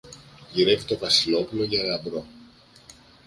Γυρεύει το Βασιλόπουλο για γαμπρό.